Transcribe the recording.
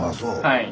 はい。